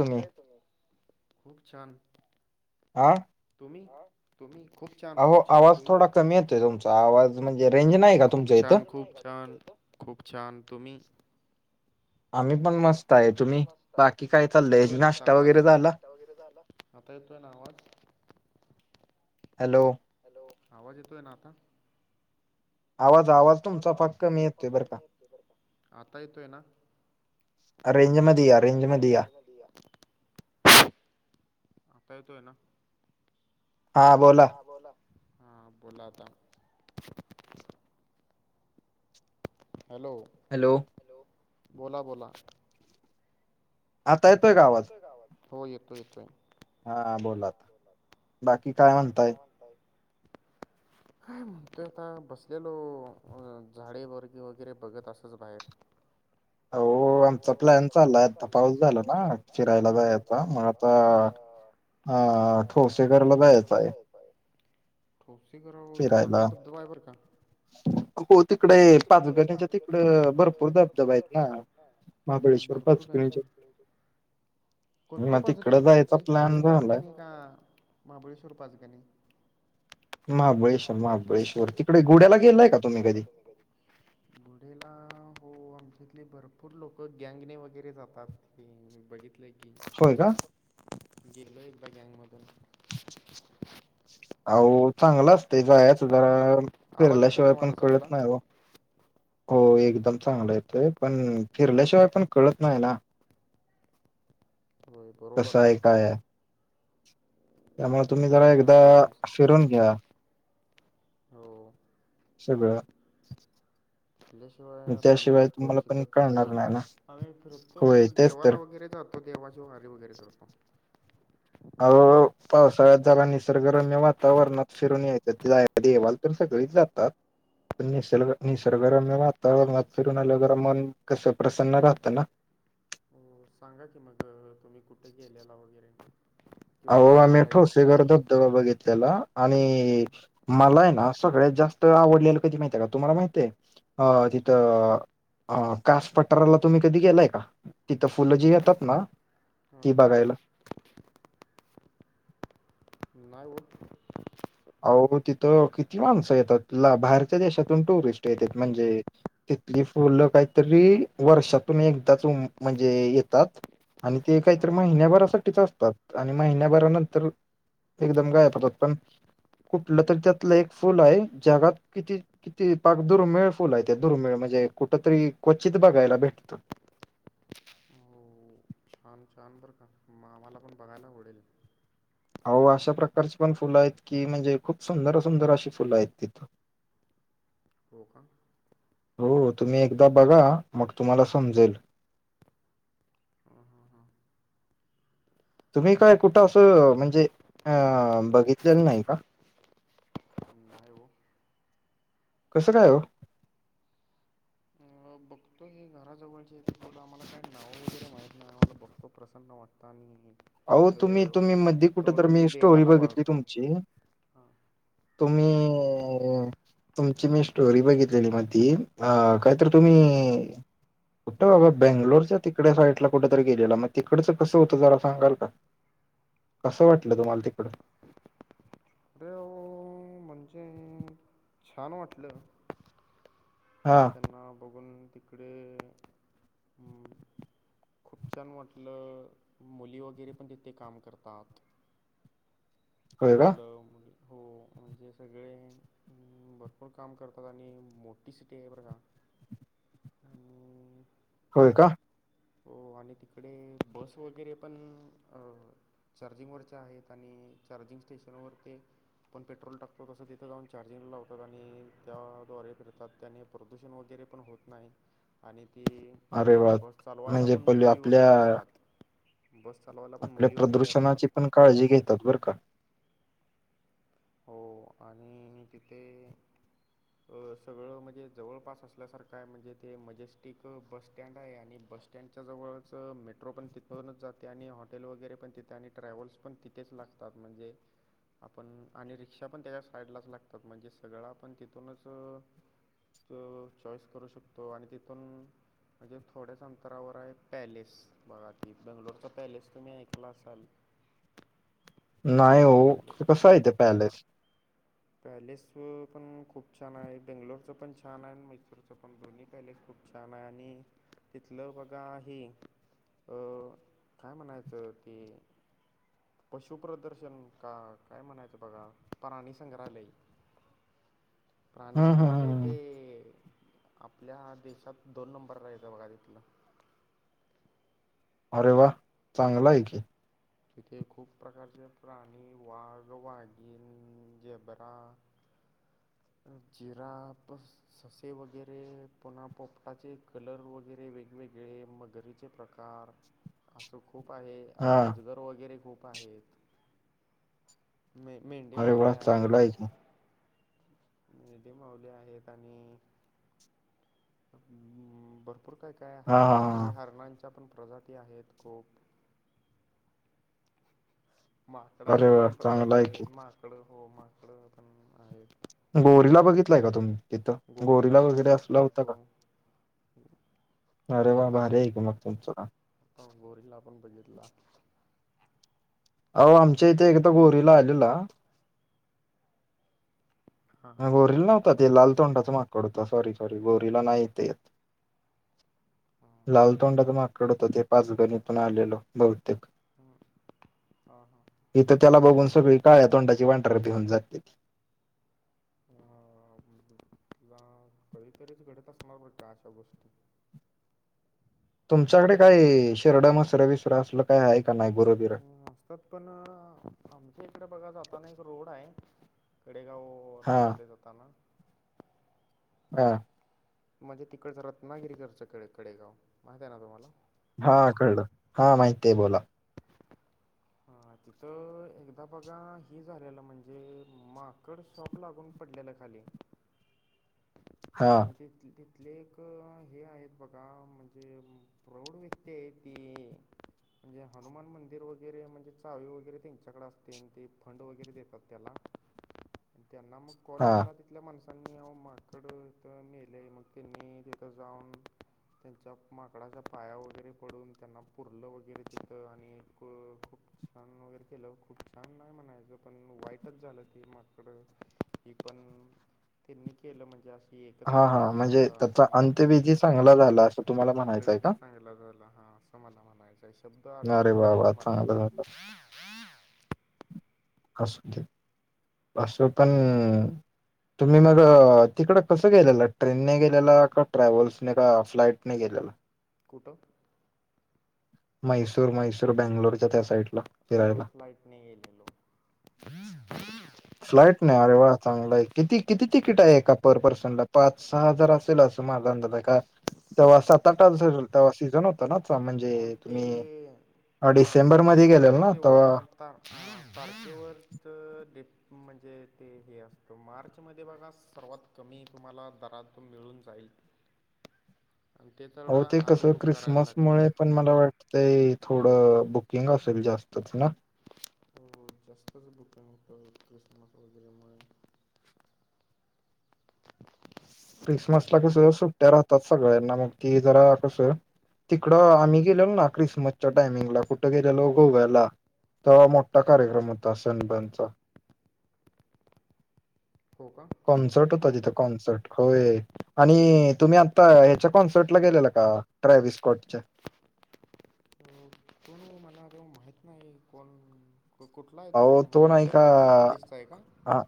कश आहे तुम्ही खूप छान. आं. तुम्ही तुम्ही. खूप छान खूप छान आवाज तुम्ही थोडा कमी येतोय तुमचा आवाज थोड म्हणजे रेंज नाही तवाज का खूप तुमच्या इथं छान खूप छान. खूप छान तुम्ही. आम्ही पण मस्त. आहे आम्ही पण तुम्ही मस्त आहे बाकी तुम्ही काय चाललंय येतोय ना नाश्ता आतावाज वगैरे झाला नाश्ता वगैरे झाला. आता येतो आहे ना आवाज. हॅलो! हॅलो आवाज येतोय ना आता. आवाज आवाज तुमचा फार आवाज कमी तुमचा येतोय बरं फटकामी येत तो ब आता येतोय ना. का मध्ये या रेंज मे दया मध्ये या रेंज मे दया. आता येतो आहे ना. हा बोला हा बोलाता. हॅलो! हॅलो! हॅलो बोला बोला. आता येतोय आवाज हो येतो येतोय. हा बोलात बाकी काय म्हणताय. आत. [inaudible] म्हणतो आता बसलेलो झाडे वर्गी वगैरे बघत असच बाहेर. हो आ. हो प्लायन आमचा चालला प्लॅन आता चाललाय पाऊस झाला ना फिरायला जा याचा मग जायचा आता. मग आता हा ठोसे कला जायचं आहे. ठोसस गरा फिरायला चांगला धबधबा आहे बर का. हो. हो तिकडे पाज पाचगणीच्या तिकड तथ भरपूर धबधबा आहेत जात जा ना आहेत ना महाबळेश्वर भरपूरच पाचगणीच्या आहेत. कोणतं मग पाच तिकडं गणी हो जायचा तिकडे प्लॅन गुढ्या पाच झालाय गणी आहे का. महाबळेश्वर पाचगाणी. महाबळेश्वर महाबळेश्वर तिकडे गुड्याला गेलाय का तुम्ही कधी. [inaudible] घुढला हो आमच्यातले भरपूर लोक गँगणे वगैरे जातात. बघितलं की. होय का. जेलो एक बा गॅंग मतन. अह चांगलं असते जायाचधार. आवाज येतोय फिरल्याशिवाय ना माझा पण चांगला कळत नाही ग. हो एकदम चांगलं येतोय पण फिरल्याशिवाय पण कळत नाही ना. होय बरोबर कसं आहेा. आहे काय आहे त्यामुळे तुम्ही जरा बरोबर आहे एकदा बघा तुमचं फिरून घ्या. हो. सगळं आपल्याशिवाय मग आपल्याला त्याशिवाय काय कळू तुम्हाला पण शिकत नाही बर कळणार का? ना आम्ही फिरतो होय तेच तर देवाला वगैरे जातो. तो देवाची वारीे वगैरे करतो आओ पावसाळ्यात जरा निसर्गरम्य वातावरणात फिरून यायच देवाला तर सगळीच जातात निसर्ग हो निसर्गरम्य वातावरणात फिरून आलं जरा मन कसं प्रसन्न राहतं ना हो सांगा की मग तुम्ही कुठे गेलेला वगैरे किंवा अहो जाणार आमी आहे ते ठोसे घर सांगा धबधबा बघितलेला आणि मला आहे ना सगळ्यात जास्त आवडलेलं कधी माहित आहे का तुम्हाला माहित आहे? अ तिथं अ कास पठाराला तुम्ही कधी गेलाय का? तिथं फुलं जी येतात ना, ती हां बघायला नाही वो आओ तिथं किती माणसं येतात ला बाहेरच्या देशातून टुरिस्ट येत्यात म्हणजे तिथली फुलं काहीतरी वर्षातून एकदाच उम म्हणजे येतात. आणि ते हां काहीतरी महिन्याभरासाठीच असतात आणि महिन्याभरानंतर, एकदम गायब होतात पण, कुठलं तरी त्यातलं एक फुल आहे जगात किती, किती पाक दुर्मिळ फुल आहे ते दुर्मिळ म्हणजे कुठ तरी क्वचित बघायला भेटतं. छन छान बरं का? आम्हाला पण बघायला आवडेल. आओ अशा प्रकारची पण फुलं आहेत की, म्हणजे खूप सुंदर, सुंदर अशी फुलं आहेत तिथं. हो का? हो तुम्ही एकदा बघा मग तुम्हाला समजेल. हां हां हां तुम्ही काय कुठं? असं म्हणजे अ बघितलेलं नाही का? [inaudible] नाही हो कसं काय ओ? अ बघतो मी घराजवळचे य आम्हाला काही नावं वगैरे माहित नाही आम्हाला बघतो प्रसन्न वाटत आणि आओ अ, तुम्ही तुम्ही मध्ये कुठ तर तोडून मी स्टोरी देवाला बघितली वाहतो तुमची हां तुम्ही... तुमची मी स्टोरी बघितलेली मधी अ हां कायतर तुम्ही कुठं बाबा बंगलोरच्या तिकड साईडला कुठेतरी गेलेला मग तिकडचं कसं होत जरि सांगाला का? कसं वाटलं तुम्हाला तिकडं? रेव म्हणजे छान वाटलं [inaudible] त्यां बघून तिकडे हमम खूप छान म्हटलं मुली वगैरे पण तिथे काम करतात. होय का? मुलं मुली हो म्हणजे सगळे भरपूर काम करतात आणि मोठी सिटी आहे बघा होय काय हो आणि तिकडे बस वगैरे पण अ चार्जिंग वरचे आहेत आणि चार्जिंग स्टेशनवरर ते आपण पेट्रोल टाकतो तसं तिथे जाऊन चार्जिंगला लावतात आणि त्याद्वारे फिरतात त्याने. प्रदूषण वगैरे पण होत नाही आणि ती अरेवळा बस चालवायला म्हणजे पण पल्लू मुली आपल्या वगैरे असतात बस चालवायला पण आपल्या मुली वगैरे असतात प्रदूषणाची पण काळजी घेतात बरं का? हो आणि तिथे सगळं म्हणजे जवळपास असल्यासारखं आहे म्हणजे ते मजेस्टिक बस स्टँड आहे आणि बस स्टँडच्या जवळच मेट्रो पण तिथूनच जाते आणि हॉटेल वगैरे पण तिथे आणि ट्रॅव्हल्स पण तिथ तेच लागतात म्हणजे आपण आणि रिक्षा पण त्याच्या साईडलाच लागतात. म्हणजे सगळां पण तिथूनच तो चॉईस करू शकतो आणि तिथून म्हणजे थोड्याच अंतरावर आहे. पॅलेस बघा ती बेंगलोरचा पॅलेस तुम्ही ऐकला असाल. नाही ओ बेंगलोर कसं य ते पॅलेस. पॅलेस पण खूप छान आहे. बेंगलोरचं पण छान आहे आणि मैसूरच पण दोन्ही पॅलेस खूप, छान आहे. आणि तिथलं बघा हे अ काय म्हणायचं ती पशुप्रदर्शन का काय म्हणायचं बघा प्राणी संग्रहालय. प्राणी हं, हं, हं, संग्रहालय. हं. ते आपल्या देशात दोन नंबर राहायचां बघा तिथलं. अरे वा चांगला आहे की, तिथे खूप प्रकारचे प्राणी, वाघ, वाघीण जेबरा, जिरापस् ससे वगैरे पुन्हा पोपटाचे कलर वगैरे वेगवेगळे मगरी चे प्रकार असं खूप आहे. हां. अजगर वगैरे खूप आहेत. मे मेंढे अरे माऊली वाह! चांगला आहेत. आहे की. मेंढी माऊली आहेत. आणि भरपूर काय काय हां, हरणे हां, वगैरे हां. हरणांच्या पण प्रजाती आहेत. खूप अरे माकडाची वाह! पण चांगला प्रजाती आहे आहेत. की. माकडं हो माकडं पण आहेत. गोरीला बघितलाय का तुम्ही तिथं गोरीला पण वगैरे असला बघितला होता का? हो. अरे वा होता भारी ना आहे की मग तुमचं काम. गोरीला पण बघितला. अहो आमच्या इथे एकदा गोरीला आलेला, हां गोरीला नव्हता ते लाल तोंडाचं माकड होत, असं वाटत होत ते गोरीला नाही हां ते. लाल तोंडाच माकड होत ते. पाचगणीतून आलेलो बहुतेक हां हा हा इथं त्याला बघून सगळी काळ्या तोंडाची वांढर भिऊन जात्याती. अ तुला कधीतरीच घडत असणार ब का अशा गोष्टी? तुमच्याकडे काही शेर्ड मसर विसर असल काय आहे का नाही गुरोबिर. असतात पण आमच्या इकडें बघा जाताना एक रोड आहे कडेगाव. हो हां, तिकडे जाताना. हा. म्हणजे तिकडचं रत्नागिरी कडचं कडेगाव माहित आहे ना तुम्हाला? हा कळलं हा माहती आहे बोला. ह तिथं एकदा बघा हि झालेलं म्हणजे माकड शॉक लागून पडलेलं खाली. हां, आणि ते तिथे. तिथंले एक हे आहेत. बघा म्हणजे प्रौढ व्यक्ती आहे ती, म्हणजे हनुमान मंदिर वगैरे म्हणजे चावी वगैरे त्यांच्याकडे असते ते फंड वगैरे देतात. त्याला त्यांना मग कॉल हां. केला तिथल्या माणसांनी अहो माकड तिथं मेले मग त्यांनी तिथ जाऊन. त्यांच्या माकडाच्या पाया वगैरे पडून त्यांना पुरलं वगैरे तिथं आणि एक खप छान वगैरे केलं खूप छान नाही म्हणायचं, पण वाईटच झालं की माकडं हे पण त्यांनी केलं म्हणजे असं. हा हा म्हणजे त्याचा अंत्यविधी चांगला झाला असं तुम्हाला म्हणायचंय का? लं हा असं मला म्हणायचं आहे शब्द अरे आठवत वाह, नव्हता हो मला. [inaudible] असू दे असं पण. तुम्ही मग तिकडं कसं गेलेलं ट्रेनने गेलेला का ट्रॅव्हल्सने का फ्लाइटने गेलेला? कुठं? मैसूर मैसूर बेंगलोरच्या त्या साईडला. अ फिरायला. फ्लाईटने गेले लोक. [inaudible] फ्लॅट नाही अरे वा चांगला आहे किती किती तिकीट आहे एका पर पर्सनला पाच सहा हजार असेल अस. म का तेव्हा तटास तेव्हा सीज. नाच हो म्हणजे ते तुम्ही डिसेंबर मध्ये गेलेल ना तर. आारखेवर डे म्हणजे ते हे असतं मार्च मध्ये बघा सर्वात कमी तुम्हाला दरातून मिळून जाईल. आणि ते तर हो ते आधी कसं बुक करायला क्रिसमस लागते मुळे पण मला वाटतं.. ते थोडं बुकिंग असेल जास्तच ना? हो जास्तच बुकीग होत क्रिसमस वगैरे मुळे. क्रिसमस ला कसं सुट्ट्या राहतात सगळ्यांना मग की जरा कसं. तिकडं आम्ही गेलेलो ना क्रिसमसच्या टायमिंगला कुठं गेलेलो गोव्याला. ते मोठा कार्यक्रम होता सनबनचा. हो का? कनसर्ट हो त्या तिथे कनसर्ट. होय आणि तुम्ही आता ह्याच्या कॉन्सर्टला गेलेला का ट्राय बिस्कॉटच्या? हो तुम्ही मला. माहित नाही कोण कुठला आहे तो अहो नाही उत्तर का उत्तर प्रदेशचा आहे का? हा,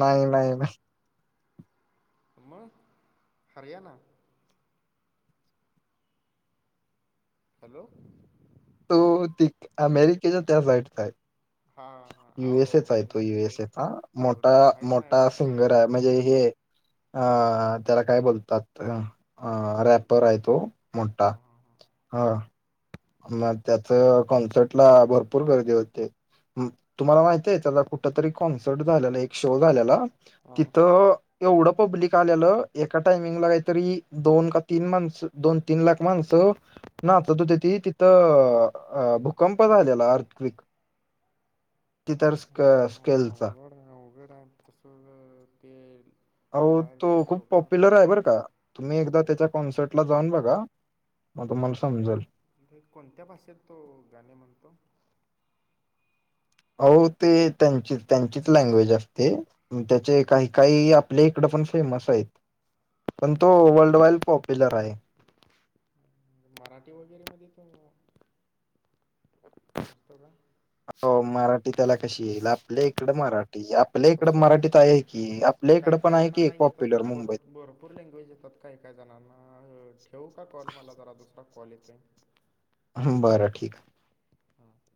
नाही नाही नाही. मग? हरियाणा. हॅलो तो ते अमेरिकेच्या त्या फ्लाईटचा आहे. हा हा युएसएचा आहे अहो तो म्हणजे युएसएचा मोठा एवढं माहित नाही मोठा व सिंगर आहे. म्हणजे हे अ त्याला काय बोलतात. अ रॅपर आहे तो हा मोठा हा हा. मग त्याच कॉन्सर्ट ला भरपूर गर्दी होते. तुम्हाला माहित आहे त्या कुठ तरी कॉन्सर्ट झालेला एक शो झालेला हा तिथं. एवढं पब्लिक आलेलं एका टायमिंगला काहीतरी दोन का तीन माणसं दोन तीन लाख माणसं. नाचत होते ते अ तिथं भूकंप झालेला अर्थक्विक. तिथर स्क्वेअर चा. अवघड आहे अवघड मग. तसं तेल. अ तो खूप पॉप्युलर आहे बरं का तुम्ही एकदा त्याच्या कॉन्सर्ट. जाऊन बघा मग तुम्हाला समजेल. कोणत्या भाषेत तो गाणे म्हणतो? हो ते त्यांची त्यांचीच लँग्वेज असते. त्याचे काही काही आपल्या इकड पण फेमस आहेत. पण तो वर्ल्ड वाईड पॉप्युलर आहे. मराठी वगैरे मध्ये तर. त्याला हो मराठी त्याला कशी येईल आपल्या इकडे मराठी. आपल्या इकडं सॉरी मराठीत आहे की. आपल्या काय इकडं पण काय आहे जण की एक नाही येतात पॉप्युलर मुंबईत. भरपूर लँग्वेज येतात. काही काही जणांना ठेवू का कॉल मला जरा दुसरा कॉल येतो आहे? बरं ठीक आहे. हां